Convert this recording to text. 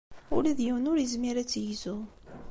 Ula d yiwen ur yezmir ad tt-yegzu.